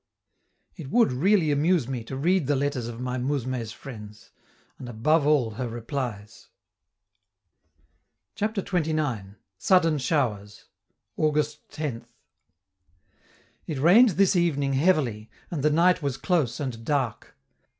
It would really amuse me to read the letters of my mousme's friends and above all her replies! CHAPTER XXIX. SUDDEN SHOWERS August 10th. It rained this evening heavily, and the night was close and dark.